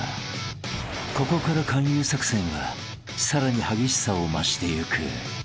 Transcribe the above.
［ここから勧誘作戦はさらに激しさを増していく］